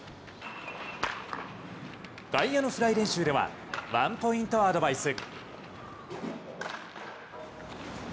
外野のフライ練習ではワンポイントアドバイス。